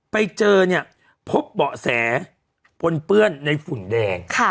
ไปเจอเนี่ยพบเบาะแสปนเปื้อนในฝุ่นแดง